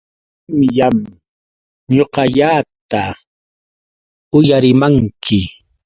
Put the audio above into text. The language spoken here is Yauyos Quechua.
Qamllam ñuqallata uyarimanki.